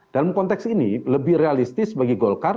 dalam konteks ini lebih realistis bagi golkar